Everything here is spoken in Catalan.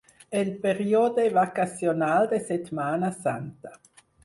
El període vacacional de Setmana Santa.